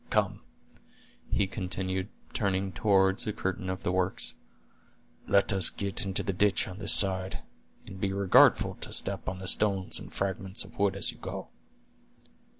Come," he continued, turning toward a curtain of the works; "let us get into the ditch on this side, and be regardful to step on the stones and fragments of wood as you go."